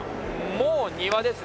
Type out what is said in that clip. もう庭ですね